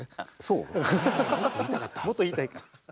もっと言いたいか。